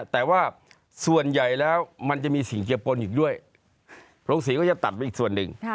แต่ว่าส่วนใหญ่แล้วมันจะมีสิ่งเกียร์ปนอีกด้วยโรงศรีก็จะตัดไปอีกส่วนหนึ่ง